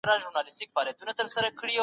ولس به د خپلو حقونو دفاع وکړي.